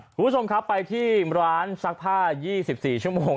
คุณผู้ชมครับไปที่ร้านซักผ้า๒๔ชั่วโมง